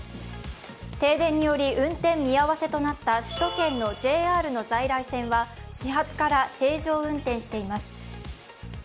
停電により運転見合わせとなった首都圏のＪＲの在来線は、始発から平常運転しています。